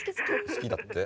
好きだって。